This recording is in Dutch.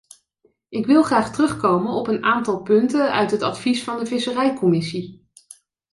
Ik wil graag terugkomen op een aantal punten uit het advies van de visserijcommissie.